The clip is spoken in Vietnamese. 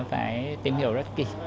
phải tìm hiểu rất kỹ